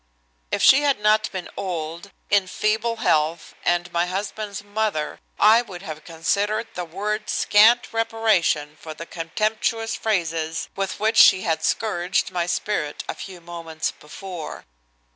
If she had not been old, in feeble health and my husband's mother, I would have considered the words scant reparation for the contemptuous phrases with which she had scourged my spirit a few moments before.